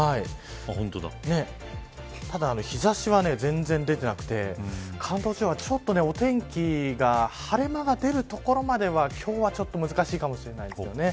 ただ日差しは全然出てなくて関東地方、ちょっとお天気が晴れ間が出るところまでは今日はちょっと難しいかもしれないですね。